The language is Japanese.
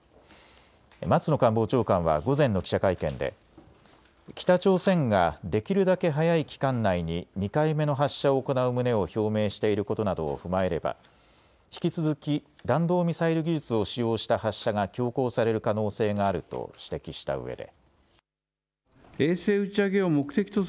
松野官房長官は午前の記者会見で北朝鮮ができるだけ早い期間内に２回目の発射を行う旨を表明していることなどを踏まえれば引き続き弾道ミサイル技術を使用した発射が強行される可能性があると指摘したうえで。